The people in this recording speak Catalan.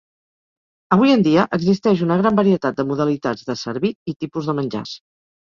Avui en dia existeix una gran varietat de modalitats de servir i tipus de menjars.